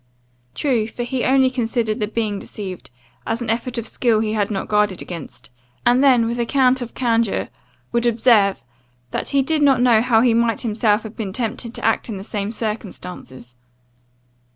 True; for he only considered the being deceived, as an effort of skill he had not guarded against; and then, with a cant of candour, would observe, 'that he did not know how he might himself have been tempted to act in the same circumstances.